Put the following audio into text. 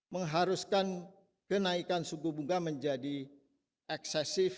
mengharuskan kenaikan suku bunga menjadi eksesif